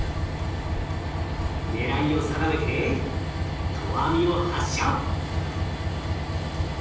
狙いを定めて投網を発射！